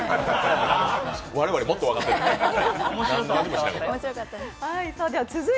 我々もっと分かってない。